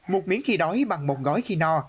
một miếng khi đói bằng một gói khi no